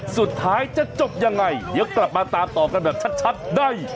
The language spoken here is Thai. สุดท้ายจะจบยังไงเดี๋ยวกลับมาตามต่อกันแบบชัดได้